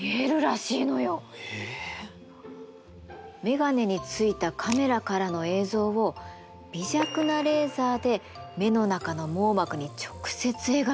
眼鏡についたカメラからの映像を微弱なレーザで目の中の網膜に直接描くらしいの。